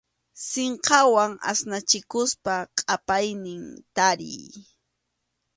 Sinqawan asnachikuspa qʼapaynin tariy.